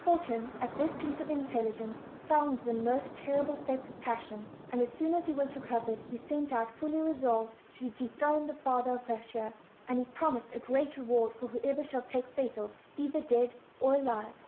Fortune, at this piece of intelligence, fell into a most terrible fit of passion; and as soon as he was recovered he set out, fully resolved to dethrone the father of Graciosa, and he promised a great reward to whoever should take Fatal, either dead or alive.